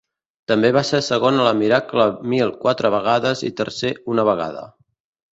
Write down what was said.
També va ser segon a la Miracle Mile quatre vegades i tercer una vegada.